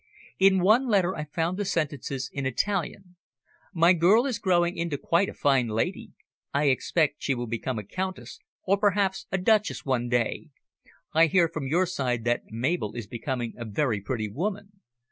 In one letter I found the sentences in Italian: "My girl is growing into quite a fine lady. I expect she will become a Countess, or perhaps a Duchess, one day. I hear from your side that Mabel is becoming a very pretty woman.